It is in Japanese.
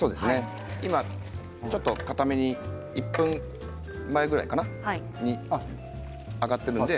今ちょっとかために１分前ぐらいかなあがっているので。